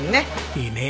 いいね。